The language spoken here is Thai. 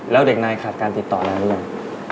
แล้วเด็กนายขาดการติดต่ออะไรหรือยัง